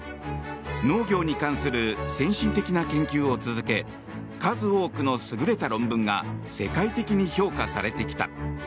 農業に関する先進的な研究を続け数多くの優れた論文が世界的に評価されてきた。